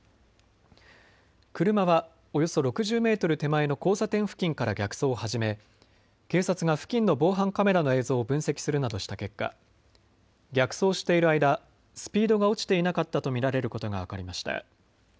車はおよそ６０メートル手前の交差点付近から逆走を始め警察が付近の防犯カメラの映像を分析するなどした結果、逆走している間、スピードが落ちていなかったと見られることが分かりました。